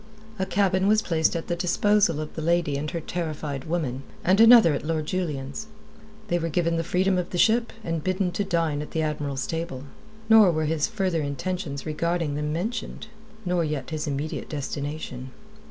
A cabin was placed at the disposal of the lady and her terrified woman, and another at Lord Julian's. They were given the freedom of the ship, and bidden to dine at the Admiral's table; nor were his further intentions regarding them mentioned, nor yet his immediate destination.